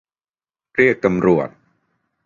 เรียกตำรวจ